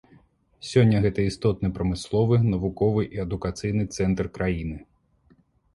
Сёння гэта істотны прамысловы, навуковы і адукацыйны цэнтр краіны.